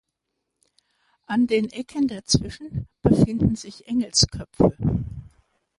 An den Ecken dazwischen befinden sich Engelsköpfe.